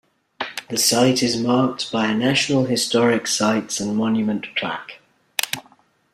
The site is marked by a National Historic Sites and Monument plaque.